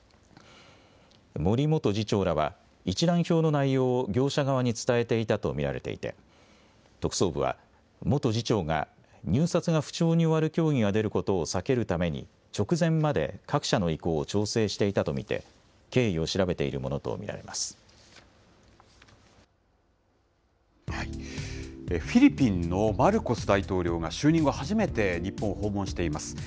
森元次長らは、一覧表の内容を業者側に伝えていたと見られていて、特捜部は元次長が入札が不調に終わる競技が出ることを避けるために直前まで各社の意向を調整していたと見て、経緯を調べているもフィリピンのマルコス大統領が就任後初めて日本を訪問しています。